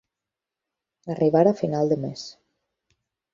Arribar a final de mes.